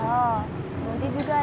nanti juga ada gantinya